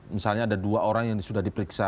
misalnya ada dua orang yang sudah diperiksa